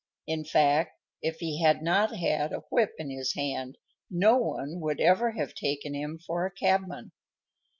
In fact, if he had not had a whip in his hand no one would ever have taken him for a cabman.